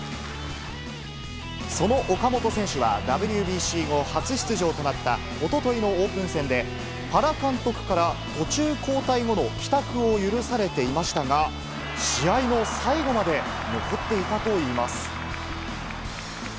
その岡本選手は、ＷＢＣ後初出場となった、おとといのオープン戦で、原監督から途中交代後の帰宅を許されていましたが、試合の最後まで残っていたといいます。